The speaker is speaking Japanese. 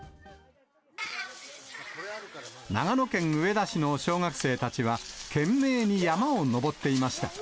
長野県上田市の小学生たちは、懸命に山を登っていました。